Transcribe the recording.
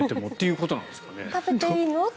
食べても？ということなんですかね。